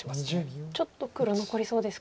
ちょっと黒残りそうですか。